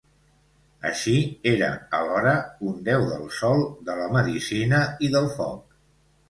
Així, era alhora un déu del sol, de la medicina i del foc.